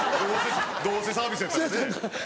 どうせサービスやったらね。